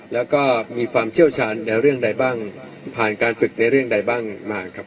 แล้วก็มีความเชี่ยวชาญในเรื่องใดบ้างผ่านการฝึกในเรื่องใดบ้างมาครับ